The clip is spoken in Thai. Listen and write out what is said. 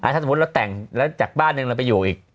ถ้าสมมุติเราแต่งแล้วจากบ้านหนึ่งเราไปอยู่อีก